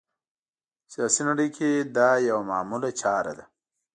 سیاسي نړۍ کې دا یوه معموله چاره ده